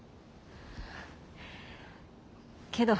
けど。